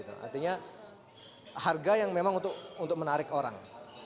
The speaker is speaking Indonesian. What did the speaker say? artinya harga yang memang untuk menarik orang